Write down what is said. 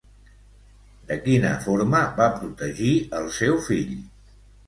De quina forma va protegir el seu fill?